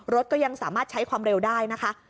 ก็ยังสามารถใช้ความเร็วได้นะคะ